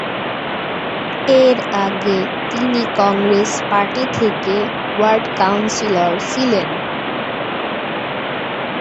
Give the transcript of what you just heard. এর আগে তিনি কংগ্রেস পার্টি থেকে ওয়ার্ড কাউন্সিলর ছিলেন।